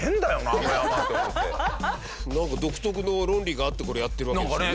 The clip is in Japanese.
なんか独特の論理があってこれやってるわけですもんね。